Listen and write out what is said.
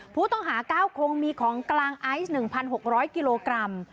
ผู้ต้องหา๙คนมีของกลางไอซ์๑๖๐๐กิโลกรัม